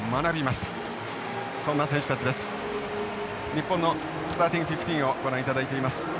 日本のスターティングフィフティーンをご覧いただいています。